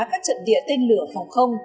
các trận địa tên lửa phòng không